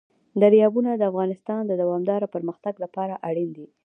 دریابونه د افغانستان د دوامداره پرمختګ لپاره اړین دي.